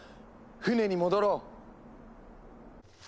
船に戻ろう！